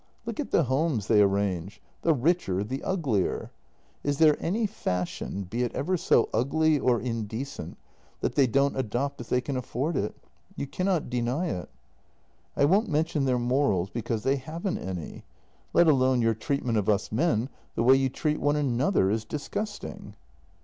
Look at the homes they arrange. The richer, the uglier. Is there any fashion, be it ever so ugly or indecent, that they don't adopt if they can afford it? You cannot deny it. " I won't mention their morals, because they haven't any. Let alone your treatment of us men, the way you treat one an other is disgusting."